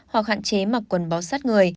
hoặc hạn chế mặc quần bó sắt người